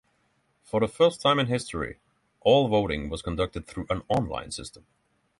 For the first time in history, all voting was conducted through an online system.